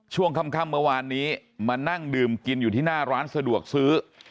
ช่วงค่ำเมื่อวานนี้มานั่งดื่มกินอยู่ที่หน้าร้านสะดวกซื้อ